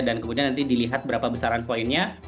dan kemudian nanti dilihat berapa besaran poinnya